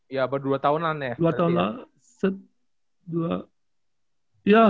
ya baru dua tahunan ya